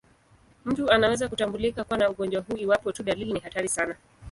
Mtu anaweza kutambulika kuwa na ugonjwa huu iwapo tu dalili ni hatari sana.